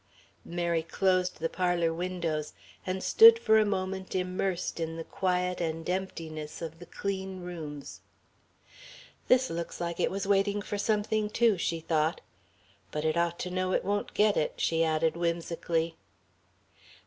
Mary closed the parlour windows and stood for a moment immersed in the quiet and emptiness of the clean rooms. "This looks like it was waiting for something, too," she thought. "But it ought to know it won't get it," she added whimsically.